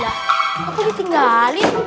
lah aku ditinggalin